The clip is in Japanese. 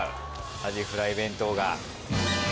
アジフライ弁当が。